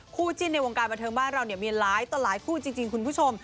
คู่จิ้นในวงการบันเทิงบ้านเราเนี่ยมีหลายต่อหลายคู่จริงคุณผู้ชม